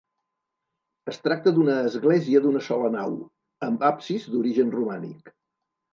Es tracta d'una església d'una sola nau, amb absis d'origen romànic.